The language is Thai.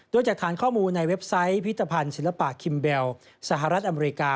โดยจากฐานข้อมูลในเว็บไซต์พิธภัณฑ์ศิลปะคิมเบลสหรัฐอเมริกา